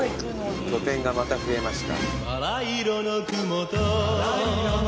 拠点がまた増えました。